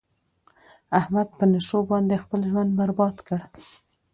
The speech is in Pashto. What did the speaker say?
احمد په نشو باندې خپل ژوند برباد کړ.